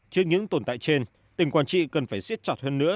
trước những tồn tại trên tỉnh quảng trị cần phải siết chặt hơn nữa